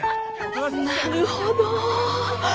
なるほど。